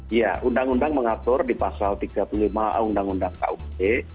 iya undang undang mengatur di pasal tiga puluh lima a undang undang kup